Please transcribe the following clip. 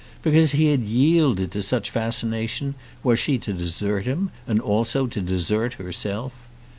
Because he had yielded to such fascination, was she to desert him, and also to desert herself?